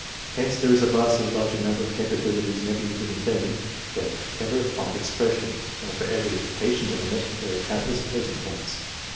Hence there is a vastly larger number of capabilities in every living being, than ever find expression, and for every patent element there are countless latent ones.